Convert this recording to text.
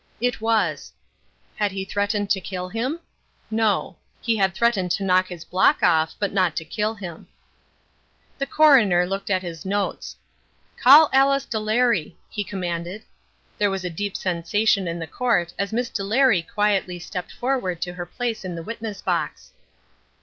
It was. Had he threatened to kill him? No. He had threatened to knock his block off, but not to kill him. The coroner looked at his notes. "Call Alice Delary," he commanded. There was a deep sensation in the court as Miss Delary quietly stepped forward to her place in the witness box.